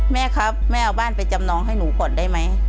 แม่ครับแม่เอาบ้านไปจำนองให้หนูก่อนได้ไหม